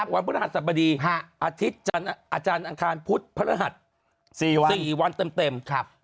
วันพฤหัสสบดีอาทิตย์อาจารย์อังคารพุธพระรหัส๔วันเต็ม